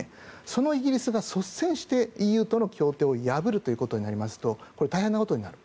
そのイギリスが率先してＥＵとの協定を破るとなりますとこれは大変なことになる。